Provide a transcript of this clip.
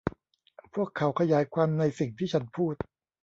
พวกเขาขยายความในสิ่งที่ฉันพูด